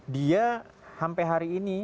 dia sampai hari ini